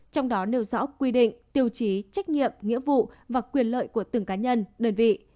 trong đó nêu rõ quy định tiêu chí trách nhiệm nghĩa vụ và quyền lợi của từng cá nhân đơn vị